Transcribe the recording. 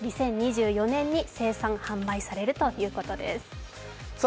２０２４年に生産、販売されるということです。